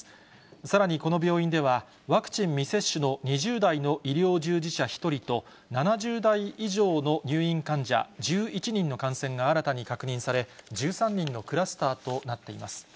さらにこの病院では、ワクチン未接種の２０代の医療従事者１人と、７０代以上の入院患者１１人の感染が新たに確認され、１３人のクラスターとなっています。